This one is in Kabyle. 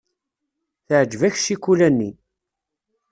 Teɛjeb-ak ccikula-nni.